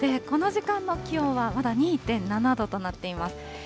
この時間の気温はまだ２．７度となっています。